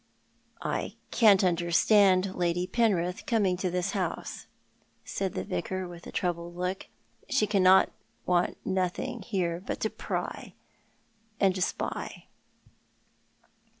"I cau't understand Lady Penrith coming to this house," said the Vicar, with a troubled look. " She cau want nothing here but to pry and spy."